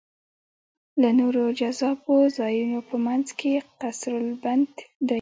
له نورو جذابو ځایونو په منځ کې قصرالبنت دی.